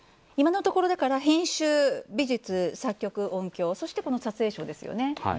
今のところ編集、美術作曲、音響そして、撮影賞ですよね。